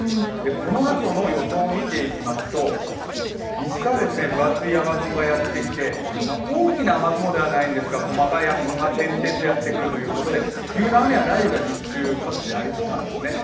このあとの予想を見ていきますと西から分厚い雨雲がやってきて大きな雨雲ではないんですが細かい雨雲が点々とやってくるということで急な雨や雷雨が日中、各地でありそうなんですね。